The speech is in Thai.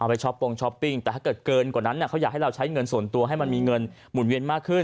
ช้อปปงช้อปปิ้งแต่ถ้าเกิดเกินกว่านั้นเขาอยากให้เราใช้เงินส่วนตัวให้มันมีเงินหมุนเวียนมากขึ้น